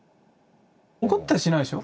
怒ったりしないでしょう？